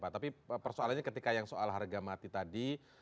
tapi persoalannya ketika yang soal harga mati tadi